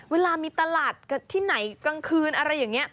เวลามีตลาดที่ไหนกลางคืนอะไรอย่างนี้